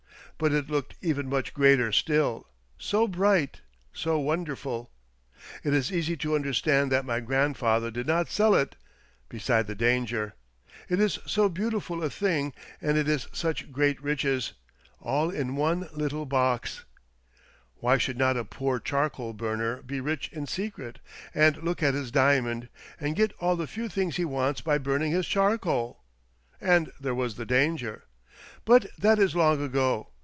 " But it looked even much greater still, so bright, so wonderful ! It is easy to understand that my grandfather did not sell it — beside the dans^er. It is so beautiful a CASE OF THE '' MIBIiOIt OF PORTUGAL" 12;{ thing, and it is such great riches — all in one little box. Why should not a poor charcoal burner be rich in secret, and look at his diamond, and get all the few things he wants by burning his charcoal ? And there was the danger. But that is long ago.